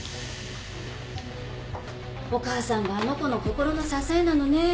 お母さんがあの子の心の支えなのね。